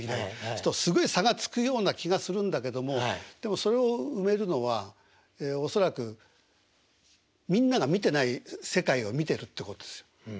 するとすごい差がつくような気がするんだけどもでもそれを埋めるのは恐らくみんなが見てない世界を見てるってことですよ。